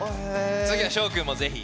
次は翔君もぜひ。